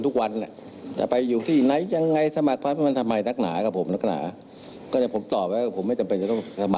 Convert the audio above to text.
ก็เดี๋ยวรอฟังกันแล้วกันฟังนายโยคบอกหน่อยสิ